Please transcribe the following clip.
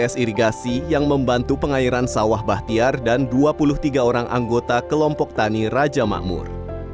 s irigasi yang membantu pengairan sawah bahtiar dan dua puluh tiga orang anggota kelompok tani raja makmur